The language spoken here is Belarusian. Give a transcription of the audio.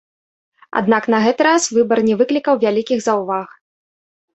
Аднак на гэта раз выбар не выклікаў вялікіх заўваг.